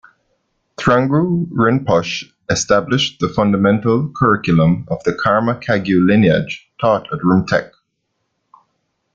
Thrangu Rinpoche established the fundamental curriculum of the Karma Kagyu lineage taught at Rumtek.